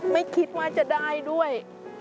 ไม่คิดว่าจะได้ด้วย